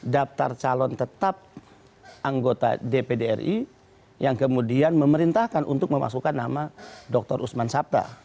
daftar calon tetap anggota dpd ri yang kemudian memerintahkan untuk memasukkan nama dr usman sabta